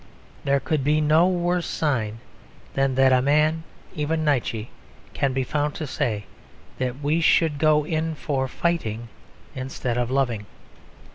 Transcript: There could be no worse sign than that a man, even Nietzsche, can be found to say that we should go in for fighting instead of loving.